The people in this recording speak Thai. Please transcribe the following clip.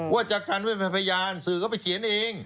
ว่าจะกันไว้เป็นพยานสื่อก็ไปเขียนเอง